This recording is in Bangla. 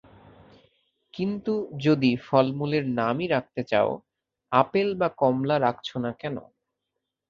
কিন্তু যদি ফলমূলের নাম-ই রাখতে চাও, আপেল বা কমলা রাখছো না কেন?